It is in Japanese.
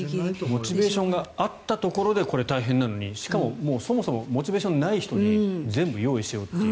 モチベーションがあったところでこれ、大変なのにしかも、そもそもモチベーションない人に全部用意しろっていう。